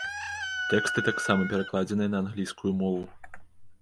Тэксты таксама перакладзеныя на англійскую мову.